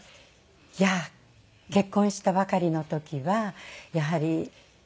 いや結婚したばかりの時はやはり。